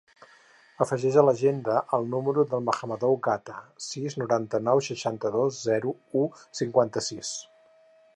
Afegeix a l'agenda el número del Mahamadou Gata: sis, noranta-nou, seixanta-dos, zero, u, cinquanta-sis.